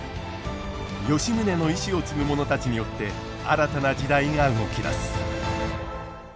吉宗の遺志を継ぐ者たちによって新たな時代が動き出す。